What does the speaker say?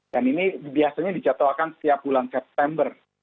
dan ini biasanya dicatatkan setiap bulan september